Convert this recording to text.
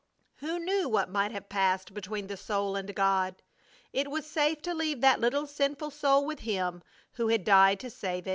Who knew what might have passed between the soul and God? It was safe to leave that little sinful soul with Him who had died to save.